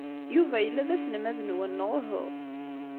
Yuba yella d aselmad-nwen, neɣ uhu?